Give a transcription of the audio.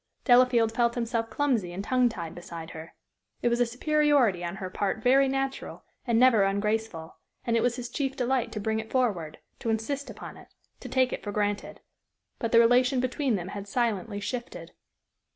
Delafield felt himself clumsy and tongue tied beside her. It was a superiority on her part very natural and never ungraceful, and it was his chief delight to bring it forward, to insist upon it, to take it for granted. But the relation between them had silently shifted.